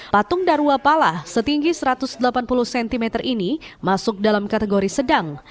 patung darwapala setinggi satu ratus delapan puluh cm ini masuk dalam kategori sedang